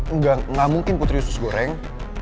enggak enggak mungkin putri khusus goreng